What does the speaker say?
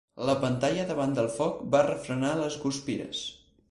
La pantalla davant del foc va refrenar les guspires.